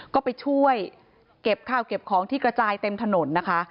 ก็ไปช่วยเก็บข้าวเก็บของที่กระจายเต็มถนนนะคะ